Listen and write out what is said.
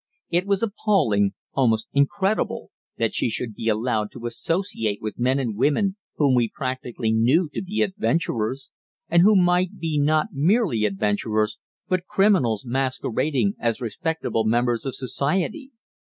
It was appalling, almost incredible, that she should be allowed to associate with men and women whom we practically knew to be adventurers, and who might be not merely adventurers, but criminals masquerading as respectable members of Society.